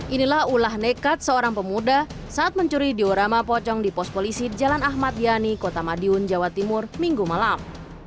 inilah ulah nekat seorang pemuda saat mencuri diorama pocong di pos polisi jalan ahmad yani kota madiun jawa timur minggu malam